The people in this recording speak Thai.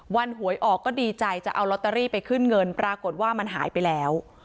หวยออกก็ดีใจจะเอาลอตเตอรี่ไปขึ้นเงินปรากฏว่ามันหายไปแล้ว